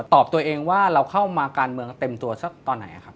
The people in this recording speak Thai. ตอบตัวเองว่าเราเข้ามาการเมืองเต็มตัวสักตอนไหนครับ